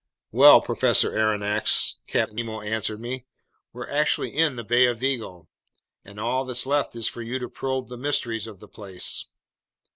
"Well, Professor Aronnax," Captain Nemo answered me, "we're actually in that Bay of Vigo, and all that's left is for you to probe the mysteries of the place."